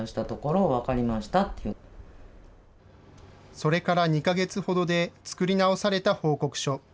それから２か月ほどで、作り直された報告書。